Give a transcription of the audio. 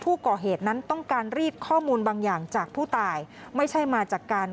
ผู้ก่อเหตุนั้นต้องการรีดข้อมูลบางอย่างจากผู้ตายไม่ใช่มาจากการ